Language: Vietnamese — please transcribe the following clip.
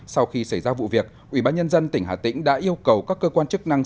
sau khi xảy ra vụ việc ủy ban nhân dân tỉnh hà tĩnh đã yêu cầu các cơ quan chức năng